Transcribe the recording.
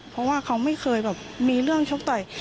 เพราะว่าเขาไม่เคยแบบมีเรื่องชกต่อย